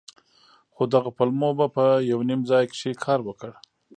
خو دغو پلمو به په يو نيم ځاى کښې کار وکړ.